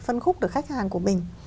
phân khúc được khách hàng của mình